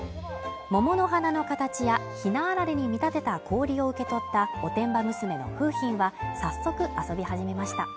桃の花の形やひなあられに見立てた氷を受け取ったおてんば娘の楓浜は早速遊び始めました。